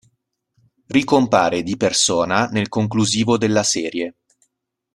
Ricompare di persona nel conclusivo della serie.